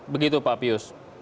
begitu pak pius